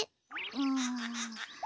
うん。